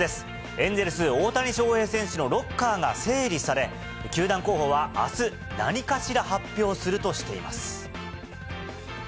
エンゼルス、大谷翔平選手のロッカーが整理され、球団広報はあす、何かしら発表するとしています。